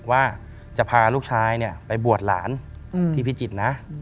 ว่าจะพาลูกชายไปบวชหลานที่พิจิตรนะ